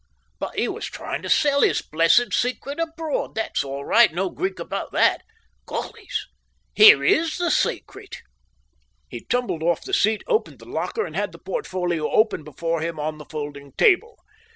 "But he was trying to sell his blessed secret abroad. That's all right. No Greek about that! Gollys! Here IS the secret!" He tumbled off the seat, opened the locker, and had the portfolio open before him on the folding table.